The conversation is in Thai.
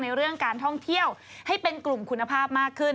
เรื่องการท่องเที่ยวให้เป็นกลุ่มคุณภาพมากขึ้น